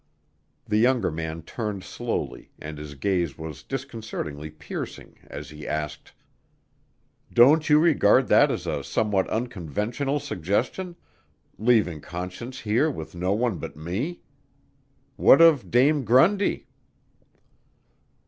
The younger man turned slowly and his gaze was disconcertingly piercing, as he asked, "Don't you regard that as a somewhat unconventional suggestion leaving Conscience here with no one but me? What of Dame Grundy?"